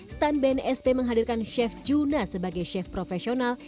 stand bnsp menghadirkan chef juna sebagai chef profesional